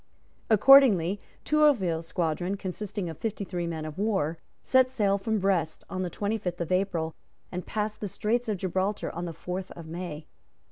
Accordingly, Tourville's squadron, consisting of fifty three men of war, set sail from Brest on the twenty fifth of April and passed the Straits of Gibraltar on the fourth of May.